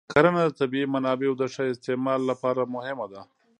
کرنه د طبیعي منابعو د ښه استعمال لپاره مهمه ده.